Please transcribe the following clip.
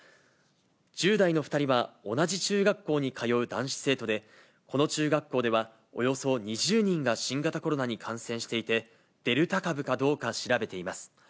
１０代の２人は同じ中学校に通う男子生徒で、この中学校ではおよそ２０人が新型コロナに感染していて、デルタ株かどうか調べています。